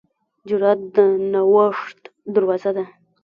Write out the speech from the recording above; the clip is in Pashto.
جرأت د نوښت دروازه ده.